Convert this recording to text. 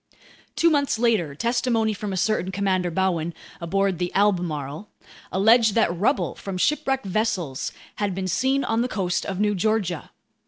Two months later, testimony from a certain Commander Bowen, aboard the Albemarle, alleged that rubble from shipwrecked vessels had been seen on the coast of New Georgia.